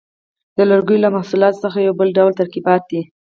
د لرګیو له محصولاتو څخه یو بل ډول ترکیبات دي.